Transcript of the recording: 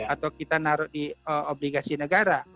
atau kita naruh di obligasi negara